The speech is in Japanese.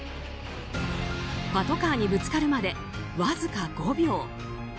パトカーにぶつかるまでわずか５秒。